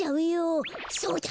そうだ！